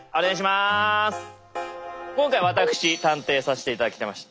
今回私探偵させて頂きました。